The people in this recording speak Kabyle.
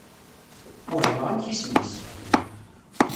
Wehmeɣ amek isem-is.